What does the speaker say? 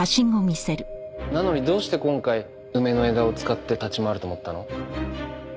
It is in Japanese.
なのにどうして今回梅の枝を使って立ち回ると思ったの？